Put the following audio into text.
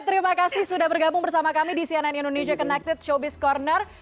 terima kasih sudah bergabung bersama kami di cnn indonesia connected showbiz corner